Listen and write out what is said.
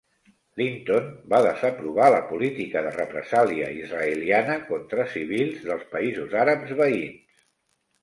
Linton va desaprovar la política de represàlia israeliana contra civils dels països àrabs veïns.